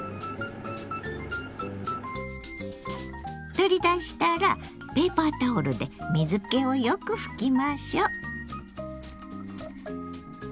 取り出したらペーパータオルで水けをよく拭きましょう。